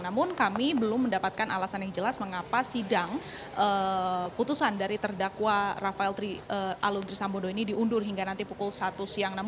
namun kami belum mendapatkan alasan yang jelas mengapa sidang